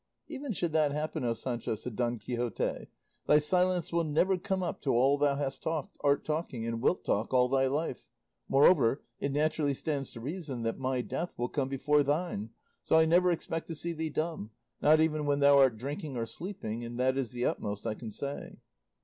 "Even should that happen, O Sancho," said Don Quixote, "thy silence will never come up to all thou hast talked, art talking, and wilt talk all thy life; moreover, it naturally stands to reason, that my death will come before thine; so I never expect to see thee dumb, not even when thou art drinking or sleeping, and that is the utmost I can say."